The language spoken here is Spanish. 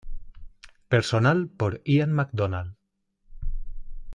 Personal por Ian MacDonald.